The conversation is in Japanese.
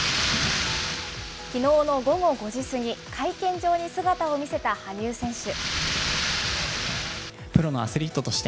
きのうの午後５時過ぎ、会見場に姿を見せた羽生選手。